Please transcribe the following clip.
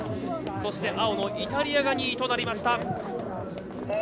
そして青のイタリアが２位となりました。